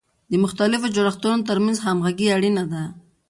د مختلفو جوړښتونو ترمنځ همغږي اړینه ده.